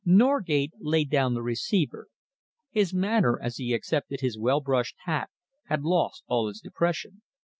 Norgate laid down the receiver. His manner, as he accepted his well brushed hat, had lost all its depression.